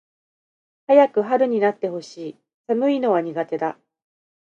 早く春になって欲しい。寒いのは苦手だ。